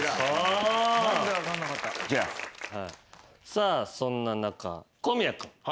さあそんな中小宮君。